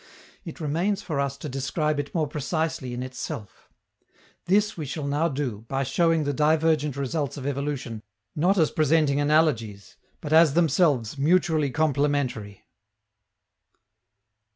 It remains for us to describe it more precisely in itself. This we shall now do by showing the divergent results of evolution not as presenting analogies, but as themselves mutually complementary.